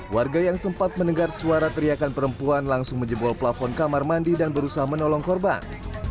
warga yang sempat mendengar suara teriakan perempuan langsung menjebol pelafon kamar mandi dan berusaha menolong korban